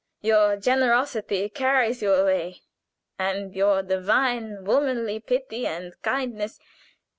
Your generosity carries you away, and your divine, womanly pity and kindness.